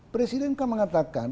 presiden kan mengatakan